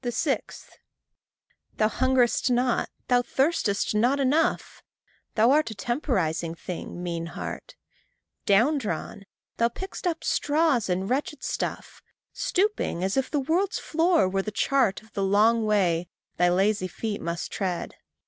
6. Thou hungerest not, thou thirstest not enough. Thou art a temporizing thing, mean heart. Down drawn, thou pick'st up straws and wretched stuff, Stooping as if the world's floor were the chart Of the long way thy lazy feet must tread.